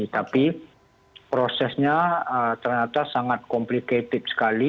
tapi prosesnya ternyata sangat komplikatif sekali